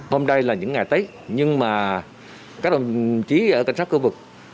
hôm nay là những ngày tết nhưng mà các đồng chí ở cảnh sát khu vực